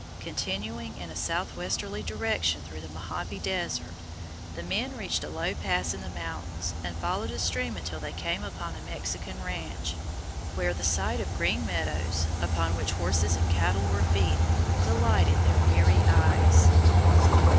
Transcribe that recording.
Continuing in a southwesterly direction through the Mohave Desert, the men reached a low pass in the mountains and followed a stream until they came upon a Mexican ranch, where the sight of green meadows, upon which horses and cattle were feeding, delighted their weary eyes.